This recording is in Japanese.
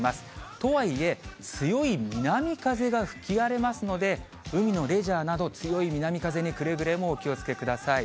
とはいえ、強い南風が吹き荒れますので、海のレジャーなど、強い南風に、くれぐれもお気をつけください。